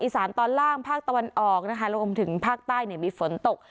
ส่วนอีสานตอนล่างภาคตะวันออกนะคะรวมถึงภาคใต้เนี่ยมีฝนตก